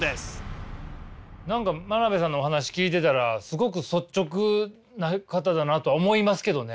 何か真鍋さんのお話聞いてたらすごく率直な方だなとは思いますけどね。